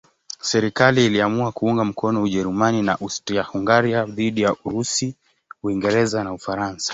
Serikali iliamua kuunga mkono Ujerumani na Austria-Hungaria dhidi ya Urusi, Uingereza na Ufaransa.